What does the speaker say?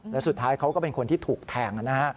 แล้วสุดท้ายเขาก็เป็นคนที่ถูกแทง